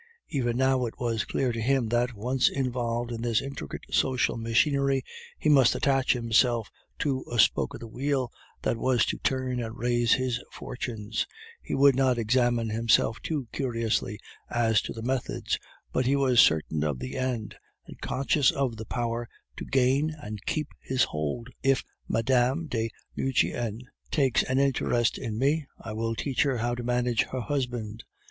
Even now it was clear to him that, once involved in this intricate social machinery, he must attach himself to a spoke of the wheel that was to turn and raise his fortunes; he would not examine himself too curiously as to the methods, but he was certain of the end, and conscious of the power to gain and keep his hold. "If Mme. de Nucingen takes an interest in me, I will teach her how to manage her husband.